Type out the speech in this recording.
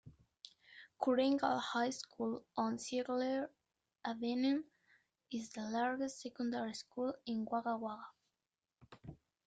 Kooringal High School, on Ziegler Avenue is the largest secondary school in Wagga Wagga.